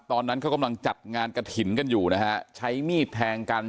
ตอนนั้นเขากำลังจัดงานกระถิ่นกันอยู่นะฮะใช้มีดแทงกัน